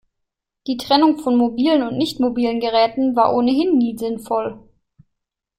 Die Trennung von mobilen und nicht mobilen Geräten war ohnehin nie sinnvoll.